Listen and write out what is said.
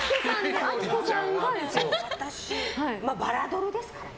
私、バラドルですからね。